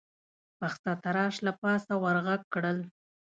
پخڅه تراش له پاسه ور غږ کړل: